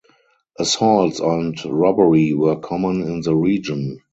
Assaults and robbery were common in the region.